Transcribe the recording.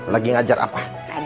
lagi ngajar apa